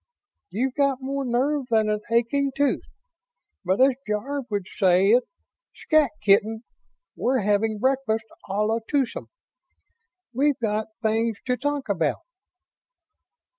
"You've got more nerve than an aching tooth. But as Jarve would say it, 'scat, kitten'. We're having breakfast a la twosome. We've got things to talk about."